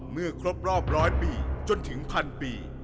เมื่อครบรอบร้อยปีจนถึงพันปี